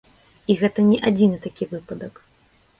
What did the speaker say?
І гэта не адзіны такі выпадак.